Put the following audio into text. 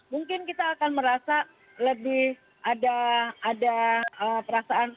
mungkin kita akan merasa lebih ada perasaan